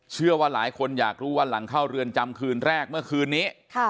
เชื่อว่าหลายคนอยากรู้ว่าหลังเข้าเรือนจำคืนแรกเมื่อคืนนี้